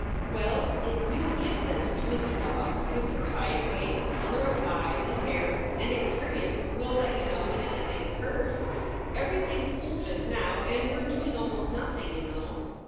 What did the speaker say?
"Well, if you ll give them to Mr. Dobbs, with your height, weight, color of eyes and hair, and experience, we ll let you know when anything occurs. Everything s full just now, and we re doing almost nothing, you know."